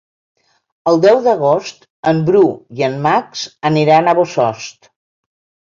El deu d'agost en Bru i en Max aniran a Bossòst.